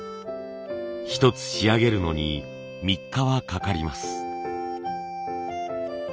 一つ仕上げるのに３日はかかります。